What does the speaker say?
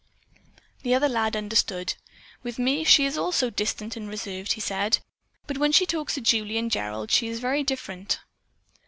The other lad understood. "With me she is also distant and reserved," he said, "but when she talks to Julie and Gerald she is very different."